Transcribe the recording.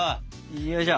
よいしょ！